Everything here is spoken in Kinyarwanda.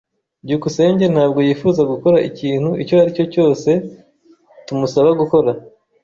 byukusenge ntabwo yifuza gukora ikintu icyo ari cyo cyose tumusaba gukora.